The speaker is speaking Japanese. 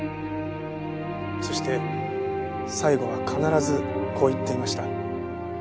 そして最後は必ずこう言っていました。